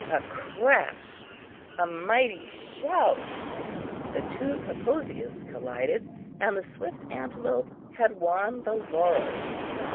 A crash a mighty shout! the two Kaposias collided, and the swift Antelope had won the laurels!